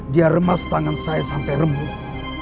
dia remas tangan saya sampai rembuk